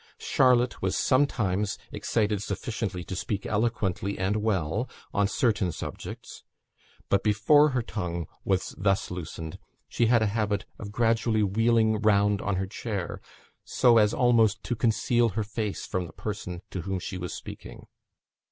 Charlotte was sometimes excited sufficiently to speak eloquently and well on certain subjects; but before her tongue was thus loosened, she had a habit of gradually wheeling round on her chair, so as almost to conceal her face from the person to whom she was speaking.